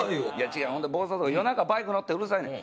ほんで暴走族夜中バイク乗ってうるさいねん。